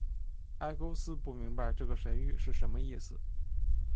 埃勾斯不明白这个神谕是什么意思。